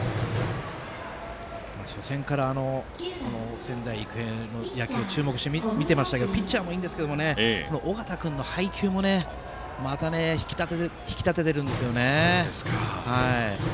初戦から仙台育英の野球を注目して見ていましたけどピッチャーもいいんですけど尾形君の配球もまた引き立てているんですね。